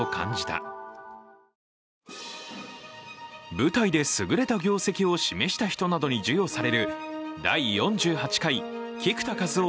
舞台で優れた業績を示した人などに授与される第４８回菊田一夫